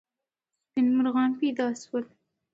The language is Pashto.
سپین مرغان پیدا سول.